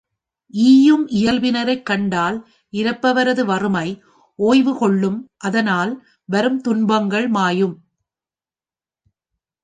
ஈயும் இயல்பினரைக் கண்டால் இரப்பவரது வறுமை ஓய்வு கொள்ளும் அதனால் வரும் துன்பங்கள் மாயும்.